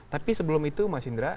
tapi sebelum itu mas indra